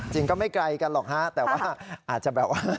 จริงก็ไม่ไกลกันหรอกฮะแต่ว่าอาจจะแบบว่า